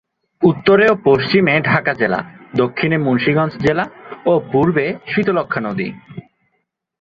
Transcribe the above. উত্তরে ও পশ্চিমে ঢাকা জেলা, দক্ষিণে মুন্সিগঞ্জ জেলা ও পূর্বে শীতলক্ষ্যা নদী।